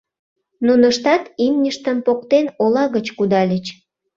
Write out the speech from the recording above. Нуныштат, имньыштым поктен, ола гыч кудальыч.